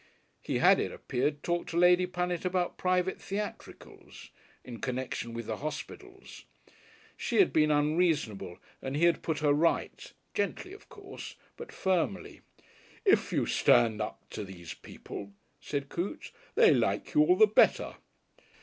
He had, it appeared, talked to Lady Punnet about private theatricals! In connection with the Hospitals. She had been unreasonable and he had put her right, gently of course, but firmly. "If you stand up to these people," said Coote, "they like you all the better."